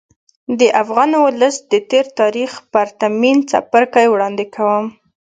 د افغان ولس د تېر تاریخ پرتمین څپرکی وړاندې کړي.